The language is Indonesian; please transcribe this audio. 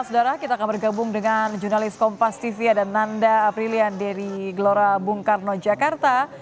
saudara kita akan bergabung dengan jurnalis kompas tv ada nanda aprilian dari gelora bungkarno jakarta